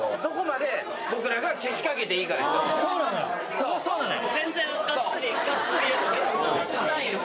そこそうなのよ。